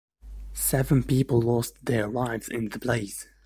Seven people lost their lives in the blaze.